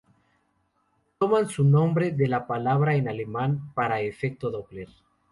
Toman su nombre de la palabra en alemán para Efecto Doppler.